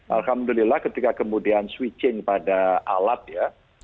alhamdulillah ketika kemudian switching pada alat ya